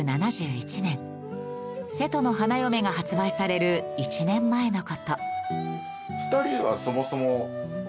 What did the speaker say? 『瀬戸の花嫁』が発売される１年前の事。